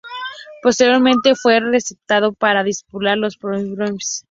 Posteriormente fue repescado para disputar los playoffs.